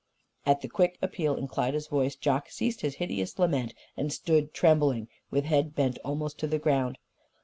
At the quick appeal in Klyda's voice Jock ceased his hideous lament and stood trembling, with head bent almost to the ground.